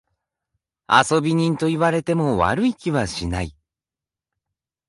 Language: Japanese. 遊び人と言われても悪い気はしない。